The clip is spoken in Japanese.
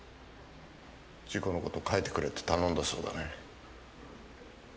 事故の事書いてくれって頼んだそうだね。